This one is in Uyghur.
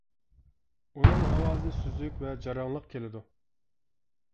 ئۇنىڭ ئاۋازى سۈزۈك ۋە جاراڭلىق كېلىدۇ.